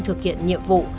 thực hiện nhiệm vụ